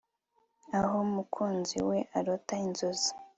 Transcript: aho mukunzi we arota inzozi